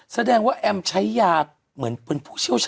แสดงว่าแอมไอล์ใช้ยาเหมือนผู้เชี่ยวชาญ